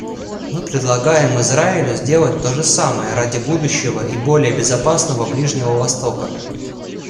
Мы предлагаем Израилю сделать то же самое ради будущего и более безопасного Ближнего Востока.